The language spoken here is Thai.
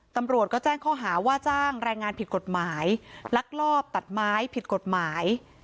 ตำรวจก็แจ้งข้อหาว่าจ้างแรงงานผิดกฎหมายลักลอบตัดไม้ผิดกฎหมาย